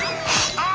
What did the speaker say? ああ。